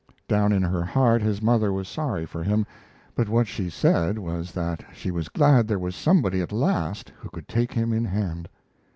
Down in her heart his mother was sorry for him, but what she said was that she was glad there was somebody at last who could take him in hand.